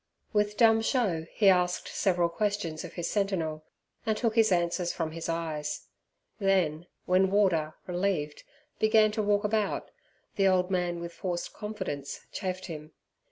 With dumb show he asked several questions of his sentinel, and took his answers from his eyes. Then, when Warder, relieved, began to walk about, the old man with forced confidence chaffed him.